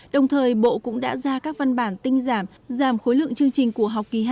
đồng thời bộ cũng đã ra các văn bản tinh giảm giảm khối lượng chương trình của học kỳ hai